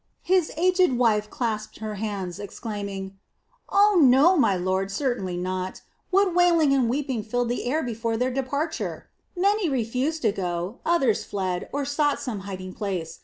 His aged wife clasped her hands, exclaiming: "Oh no, my lord, certainly not. What wailing and weeping filled the air before their departure! Many refused to go, others fled, or sought some hiding place.